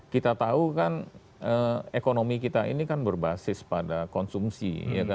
kita tahu kan ekonomi kita ini kan berbasis pada konsumsi